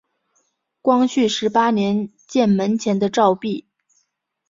光绪十八年建门前的照壁。